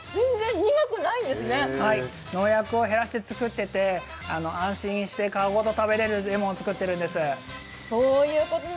農薬を減らして作っていて安心して皮ごと食べられるレモンを作っています。